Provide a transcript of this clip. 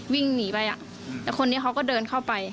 วิ่งหนีไปแล้วคนนี้เขาก็เดินเข้าไป